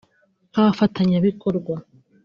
nk’abafatanyabikorwa